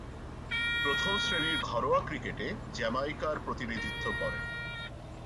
প্রথম-শ্রেণীর ঘরোয়া ক্রিকেটে জ্যামাইকার প্রতিনিধিত্ব করেন।